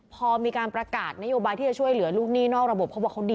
พอมีการประกาศนโยบายที่จะช่วยเหลือลูกหนี้นอกระบบ